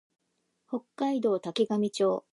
北海道滝上町